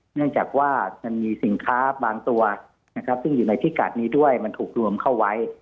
เนื่องจากว่ามันมีสินค้าบางตัวนะครับซึ่งอยู่ในพิกัดนี้ด้วยมันถูกรวมเข้าไว้